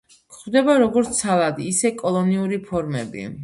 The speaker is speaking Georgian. გვხვდება როგორც ცალადი, ისე კოლონიური ფორმები.